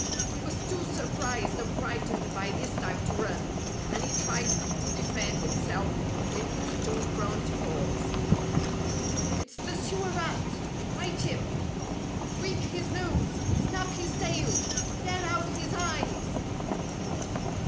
He was too surprised and frightened by this time to run, and he tried to defend himself with his two front paws. "It's the Sewer Rat! Bite him! Tweak his nose! Snap his tail! Tear out his eyes!"